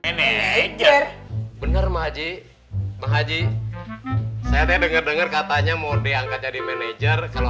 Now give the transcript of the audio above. manager bener maji maji saya denger dengar katanya mode angkat jadi manajer kalau